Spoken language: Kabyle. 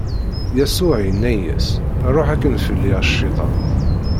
Yasuɛ inna-as: Ṛuḥ akkin fell-i, a Cciṭan!